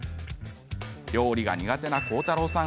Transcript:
料理が苦手な広太郎さん